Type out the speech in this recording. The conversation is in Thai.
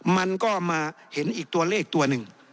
มันก็มาเห็นอีกตัวเลขตัวหนึ่ง